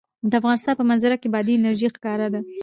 د افغانستان په منظره کې بادي انرژي ښکاره ده.